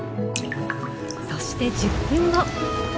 そして１０分後。